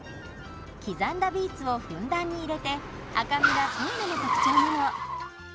刻んだビーツをふんだんに入れて赤みが濃いのも特徴なの。